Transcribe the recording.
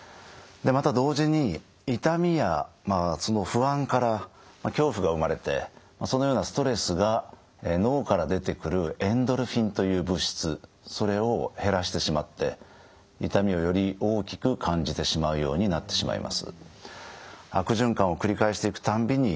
また同時に痛みやまあその不安から恐怖が生まれてそのようなストレスが脳から出てくるエンドルフィンという物質それを減らしてしまって痛みをより大きく感じてしまうようになってしまいます。